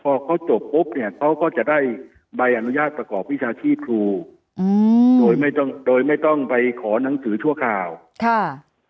พอเขาจบปุ๊บเนี่ยเขาก็จะได้ใบอนุญาตประกอบวิชาชีพครูอืมโดยไม่ต้องโดยไม่ต้องไปขอหนังสือชั่วคราวค่ะ